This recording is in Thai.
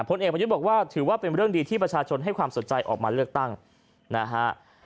เอกประยุทธ์บอกว่าถือว่าเป็นเรื่องดีที่ประชาชนให้ความสนใจออกมาเลือกตั้งนะฮะ